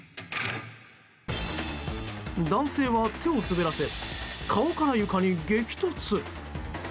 男性は手を滑らせ顔から床に激突。